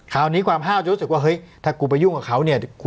คราวนี้ความห้าวจะรู้สึกว่าเฮ้ยถ้ากูไปยุ่งกับเขาเนี่ย